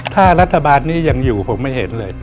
ถ้ารัฐบาลนี้ยังอยู่ผมไม่เห็นเลย